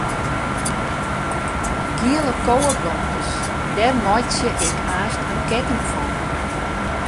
Giele koweblomkes, dêr meitsje ik aanst in ketting fan.